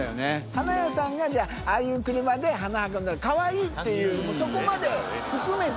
花屋さんがじゃあ、ああいう車で花運んだらかわいいって、そこまで含めて。